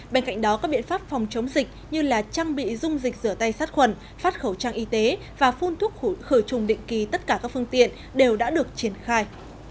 bên cạnh đó các biện pháp phòng chống dịch như trang bị dung dịch rửa tay sát khuẩn phát khẩu trang y tế và phun thuốc khử trùng định kỳ tất cả các phương tiện đều đã được triển khai